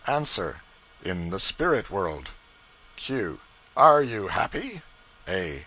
ANSWER. In the spirit world. Q. Are you happy? A.